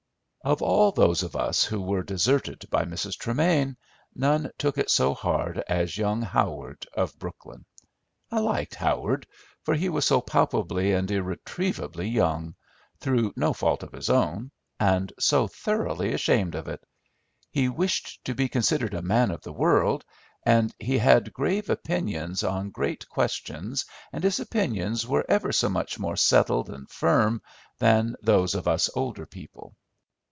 Of all those of us who were deserted by Mrs. Tremain none took it so hard as young Howard of Brooklyn. I liked Howard, for he was so palpably and irretrievably young, through no fault of his own, and so thoroughly ashamed of it. He wished to be considered a man of the world, and he had grave opinions on great questions, and his opinions were ever so much more settled and firm than those of us older people.